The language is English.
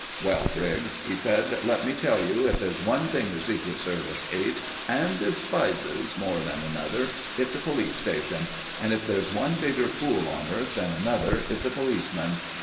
"Well, Briggs," he said, "let me tell you, if there's one thing the Secret Service hates and despises more than another, it's a police station; and if there's one bigger fool on earth than another, it's a policeman.